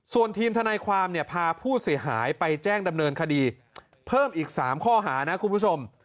ส่วนทีมทนายความเนี่ยพาผู้เสียหายไปแจ้งดำเนินคดีเพิ่มอีก๓ข้อหานะคุณผู้ชม